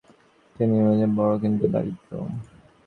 খবর আসিল যে, বংশ ভালো, কিন্তু দরিদ্র।